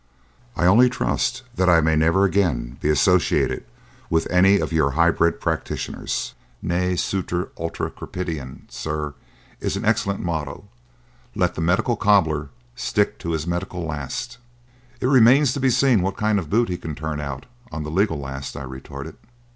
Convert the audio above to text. I only trust that I may never again be associated with any of your hybrid practitioners. Ne sutor ultra crepidam, sir, is an excellent motto; let the medical cobbler stick to his medical last." "It remains to be seen what kind of boot he can turn out on the legal last," I retorted.